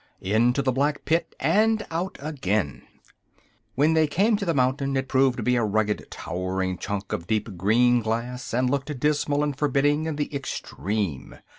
INTO THE BLACK PIT AND OUT AGAIN When they came to the mountain it proved to be a rugged, towering chunk of deep green glass, and looked dismal and forbidding in the extreme.